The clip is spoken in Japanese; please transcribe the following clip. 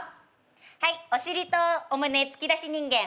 はいお尻とお胸突き出し人間。